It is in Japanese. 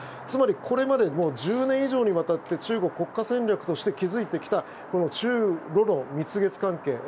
つまりこれまで１０年以上にわたって中国の国家戦略として築いてきた中ロの蜜月関係